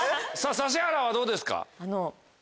指原はどうですか？